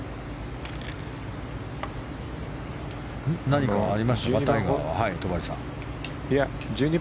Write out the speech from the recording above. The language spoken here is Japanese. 何かありましたか？